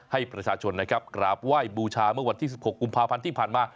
ให้ประชาชนนะครับกราบไหว้บูชาเมื่อวันที่๑๖กุมภาพันธ์ที่ผ่านมา